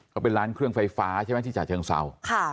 เขาเป็นร้านเครื่องไฟฟ้าใช่ไหมที่ฉะเชิงเศร้า